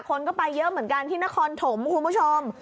คนก็ไปเยอะเหมือนกันที่นครถมคุณผู้ชม